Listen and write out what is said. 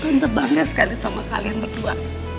saya bangga sekali sama kalian berdua